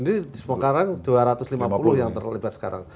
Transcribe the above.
jadi sekarang dua ratus lima puluh yang terlibat sekarang